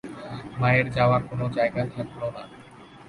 মায়ের যাওয়ার কোনো জায়গা থাকল না।